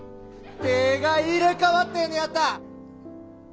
手が入れ代わってんねやった。